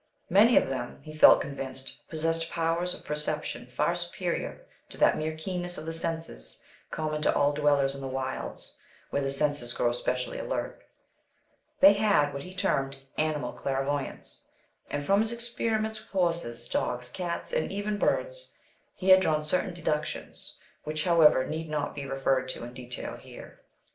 Many of them, he felt convinced, possessed powers of perception far superior to that mere keenness of the senses common to all dwellers in the wilds where the senses grow specially alert; they had what he termed "animal clairvoyance," and from his experiments with horses, dogs, cats, and even birds, he had drawn certain deductions, which, however, need not be referred to in detail here.